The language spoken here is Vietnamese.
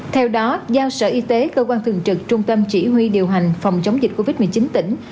theo đó giao sở y tế cơ quan thường trực trung tâm chỉ huy điều hành phòng chống dịch covid một mươi chín tỉnh